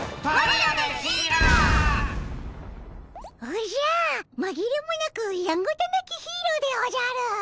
おじゃまぎれもなくやんごとなきヒーローでおじゃる！